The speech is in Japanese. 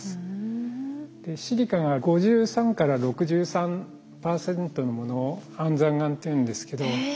シリカが５３から６３％のものを安山岩というんですけど。